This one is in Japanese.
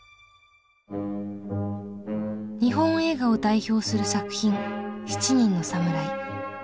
日本映画を代表する作品「七人の侍」。